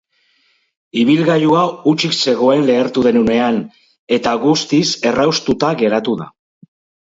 Ibilgailua hutsik zegoen lehertu den unean, eta guztiz erraustuta geratu da.